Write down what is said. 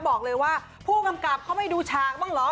บอกเลยว่าผู้กำกับเขาไม่ดูฉากบ้างเหรอ